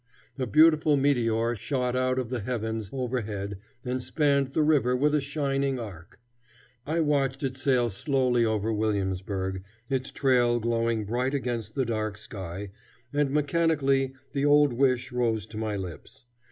A beautiful meteor shot out of the heavens overhead and spanned the river with a shining arc. I watched it sail slowly over Williamsburg, its trail glowing bright against the dark sky, and mechanically the old wish rose to my lips.